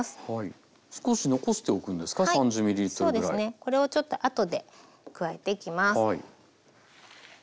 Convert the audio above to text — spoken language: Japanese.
これをちょっとあとで加えていきます。